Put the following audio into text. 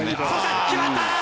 決まった！